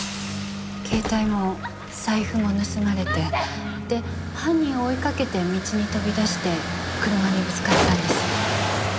携帯も財布も盗まれてで犯人を追いかけて道に飛び出して車にぶつかったんです。